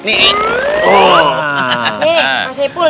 nih pak saiful